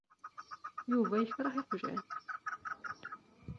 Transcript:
Yuba ikreh iqjan.